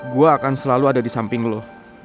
gue akan selalu ada di samping lo